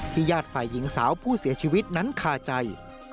ญาติฝ่ายหญิงสาวผู้เสียชีวิตนั้นคาใจ